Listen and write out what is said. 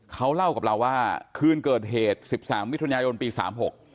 เขาเล่ากับเราว่าคืนเกิดเหตุสิบสามมิถุนายนปีสามหก